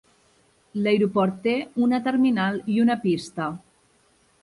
L'aeroport té una terminal i una pista.